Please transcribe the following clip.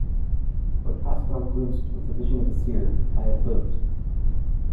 What Pascal glimpsed with the vision of a seer, I have lived.